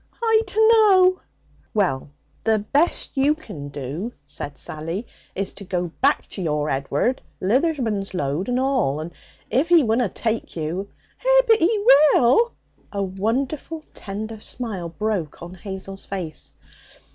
'I dunno.' 'Well, the best you can do,' said Sally, 'is to go back to your Edward, lithermonsload and all. And if he wunna take you ' 'Eh, but he will!' A wonderful tender smile broke on Hazel's face.